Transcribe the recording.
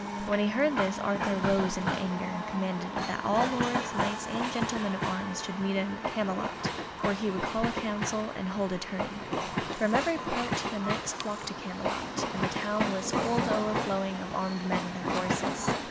When he heard this, Arthur rose in anger, and commanded that all lords, Knights, and gentlemen of arms should meet him at Camelot, where he would call a council, and hold a tourney. From every part the Knights flocked to Camelot, and the town was full to overflowing of armed men and their horses.